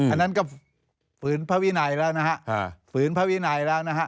อันนั้นก็ฝืนพระวินัยแล้วนะฮะฝืนพระวินัยแล้วนะฮะ